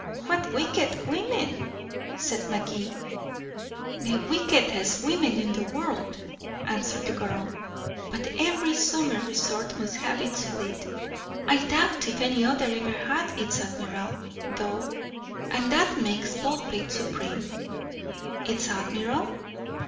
"What wicked women!" said Magee. "The wickedest women in the world," answered the girl. "But every summer resort must have its fleet. I doubt if any other ever had its admiral, though and that makes Baldpate supreme." "Its admiral?"